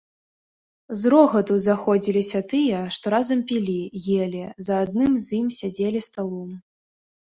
З рогату заходзіліся тыя, што разам пілі, елі, за адным з ім сядзелі сталом.